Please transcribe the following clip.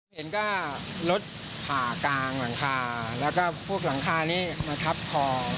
เห็นก็รถผ่ากลางหลังคาแล้วก็พวกหลังคานี้มาทับคอ